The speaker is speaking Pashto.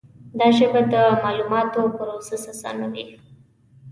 دا ژبه د معلوماتو پروسس آسانوي.